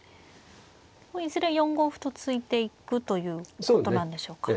いずれ４五歩と突いていくということなんでしょうか。